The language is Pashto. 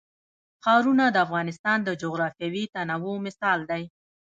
ښارونه د افغانستان د جغرافیوي تنوع مثال دی.